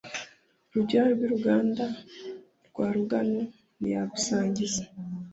rugira rw’iruganda rwa ruganu ntiyagusangiza!